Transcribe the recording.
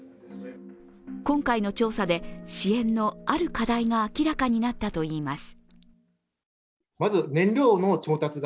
今回の調査で、支援のある課題が明らかになったといいます。